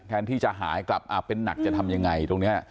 แทนที่จะหายกลับเป็นหนักจะทำยังไงตรงนี้